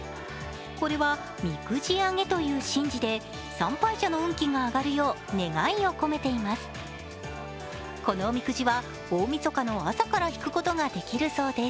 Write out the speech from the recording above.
これは、みくじ上げという神事で参拝者の運気が上がるよう願いを込めています。